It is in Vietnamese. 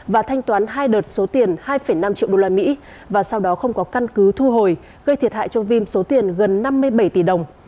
và thanh toán hai đợt số tiền hai năm triệu usd và sau đó không có căn cứ thu hồi gây thiệt hại cho vim số tiền gần năm mươi bảy tỷ đồng